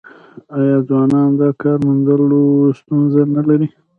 آیا ځوانان د کار موندلو ستونزه نلري؟